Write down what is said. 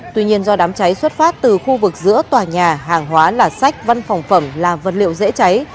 tuy nhiên do đám cháy xuất phát từ khu vực giữa tòa nhà hàng hóa là sách văn phòng phẩm là vật liệu dễ cháy